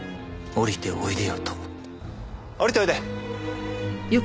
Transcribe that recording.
下りておいで。